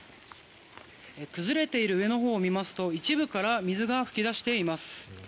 崩れている上のほうを見ますと一部から水が噴き出しています。